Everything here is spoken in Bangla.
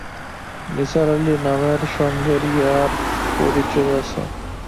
নিসার আলির নামের সঙ্গে ইরার পরিচয় আছে।